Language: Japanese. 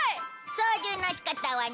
操縦の仕方はね。